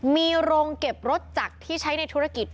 มีโรงเก็บรถจักรที่ใช้ในธุรกิจ